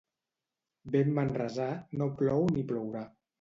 Vent manresà, no plou ni plourà.